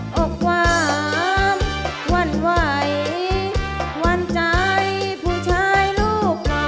อบความวันไหววันใจผู้ชายลูกเรา